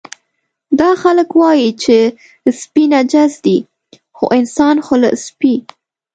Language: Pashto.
دا خلک وایي چې سپي نجس دي، خو انسان خو له سپي.